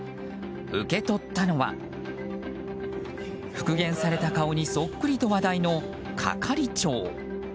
受け取ったのは、復元された顔にそっくりと話題の係長。